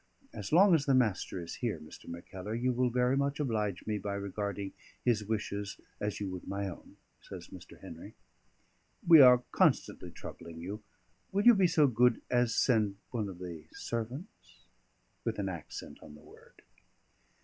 "As long as the Master is here, Mr. Mackellar, you will very much oblige me by regarding his wishes as you would my own," says Mr. Henry. "We are constantly troubling you: will you be so good as send one of the servants?" with an accent on the word.